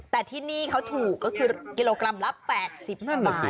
แต่ที่นี่เขาถูกก็คือกิโลกรัมละ๘๐บาท